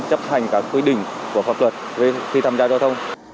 chấp hành các quy định của pháp luật khi tham gia giao thông